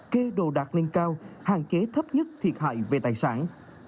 kê đồ đạc lên cao hạn chế thấp nhất thiệt hại về tài sản